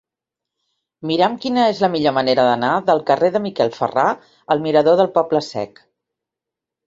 Mira'm quina és la millor manera d'anar del carrer de Miquel Ferrà al mirador del Poble Sec.